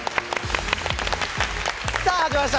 さあ、始まりました。